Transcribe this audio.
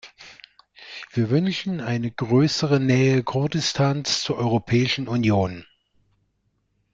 Wir wünschen eine größere Nähe Kurdistans zur Europäischen Union.